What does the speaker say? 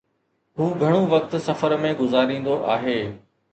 هو گهڻو وقت سفر ۾ گذاريندو آهي